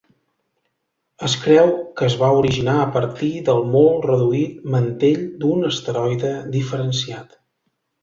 Es creu que es va originar a partir del molt reduït mantell d'un asteroide diferenciat.